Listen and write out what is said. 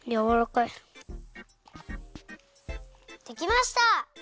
できました！